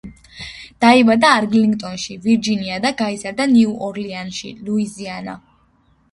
დაიბადა არლინგტონში, ვირჯინია და გაიზარდა ნიუ ორლეანში, ლუიზიანა.